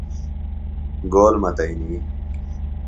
گول متئنی۔